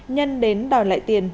nhân đến đòi lại tiền